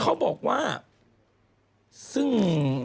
เขาบอกว่าซึ่ง